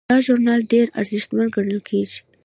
دا ژورنال ډیر ارزښتمن ګڼل کیږي.